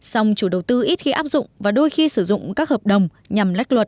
song chủ đầu tư ít khi áp dụng và đôi khi sử dụng các hợp đồng nhằm lách luật